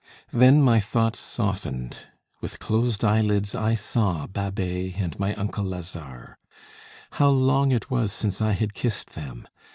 Then my thoughts softened. With closed eyelids I saw Babet and my uncle Lazare. How long it was since I had kissed them!